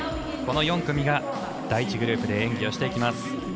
この４組が第１グループで演技をしていきます。